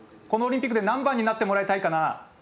このオリンピックで何番になってもらいたいかな？